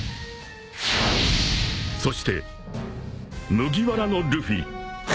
［そして麦わらのルフィ］